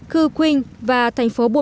cư quynh và thành phố bồn